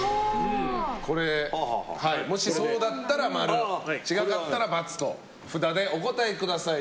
これ、もしそうだったら○違かったら×と札でお答えください。